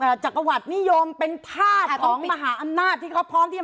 จักรวรรดินิยมเป็นธาตุของมหาอำนาจที่เขาพร้อมที่จะ